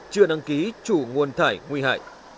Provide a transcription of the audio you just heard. chưa đăng ký chủ nguồn thải nguy hại